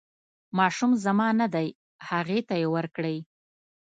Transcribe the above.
ماشوم زما نه دی هغې ته یې ورکړئ.